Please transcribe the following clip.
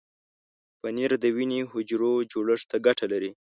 پنېر د وینې حجرو جوړښت ته ګټه لري.